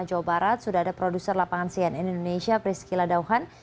jawa barat sudah ada produser lapangan cnn indonesia priscila dauhan